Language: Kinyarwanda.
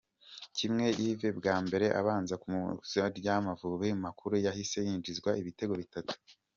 Kimenyi Yves bwa mbere abanza mu izamu ry'Amavubi makuru yahise yinjizwa ibitego bitatu.